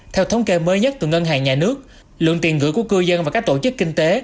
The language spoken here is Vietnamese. theo thống kê mới nhất từ ngân hàng nhà nước lượng tiền gửi của cư dân và các tổ chức kinh tế